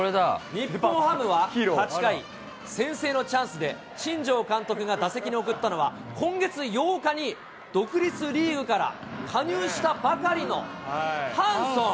日本ハムは８回、先制のチャンスで新庄監督が打席に送ったのは、今月８日に独立リーグから加入したばかりのハンソン。